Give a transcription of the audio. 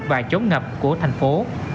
và chống ngập của thành phố